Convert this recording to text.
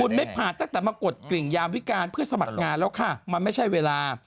คุณไม่ผ่านตั้งแต่มากดกริ่งยามวิการเพื่อสมัครงานแล้วค่ะมันไม่ใช่เวลา